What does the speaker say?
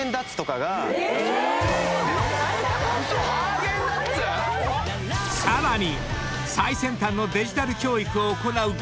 ハーゲンダッツ⁉［さらに］